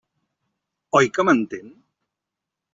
Oi que m'entén?